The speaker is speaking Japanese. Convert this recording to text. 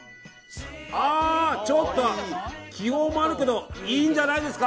ちょっと気泡もあるけどいいんじゃないですか。